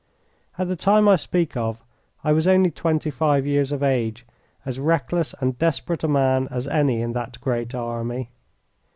At the time I speak of I was only twenty five years of age, as reckless and desperate a man as any in that great army.